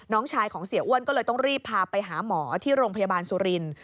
น้องชายของเสียอ้วนก็เลยต้องรีบพาไปหาหมอที่โรงพยาบาลสุรินทร์